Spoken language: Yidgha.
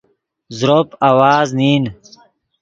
زروپ آواز نین